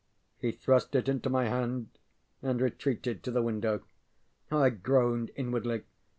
ŌĆØ He thrust it into my hand and retreated to the window. I groaned inwardly.